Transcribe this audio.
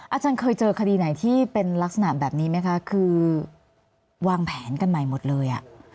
อาจารย์เคยเจอคดีไหนที่เป็นลักษณะแบบนี้ไหมคะคือวางแผนกันใหม่หมดเลย